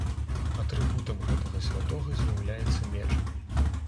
Атрыбутам гэтага святога з'яўляецца меч.